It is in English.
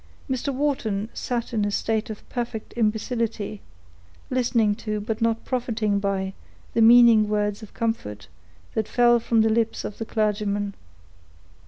Mr. Wharton sat in a state of perfect imbecility, listening to, but not profiting by, the meaning words of comfort that fell from the lips of the clergyman.